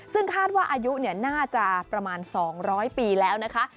ซึ่งคาดว่าอายุน่าจะประมาณ๒๐๐ปีแล้วนะคะ